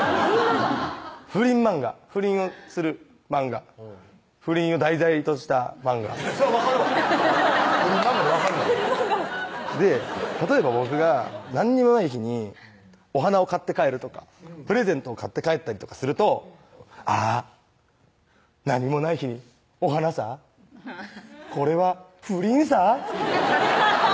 不倫をする漫画不倫を題材とした漫画それは分かるわ不倫漫画で分かるわで例えば僕が何にもない日にお花を買って帰るとかプレゼントを買って帰ったりとかすると「あぁっ何もない日にお花さぁ」「これは不倫さぁ！」